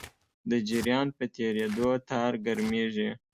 د جریان په تېرېدو تار ګرمېږي.